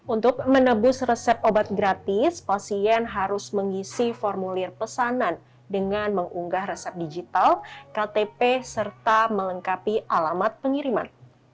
untuk menebus resep obat gratis pasien harus mengisi formulir pesanan dengan mengunggah resep digital ktp serta melengkapi alamat pengiriman